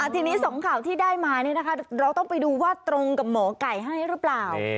ทีนี้๒ข่าวที่ได้มาเราต้องไปดูว่าตรงกับหมอไก่ให้หรือเปล่า